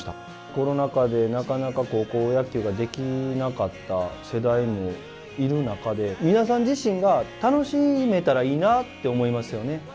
コロナ禍で、なかなか高校野球ができなかった世代もいる中で皆さん自身が楽しめたらいいなって思いますよね。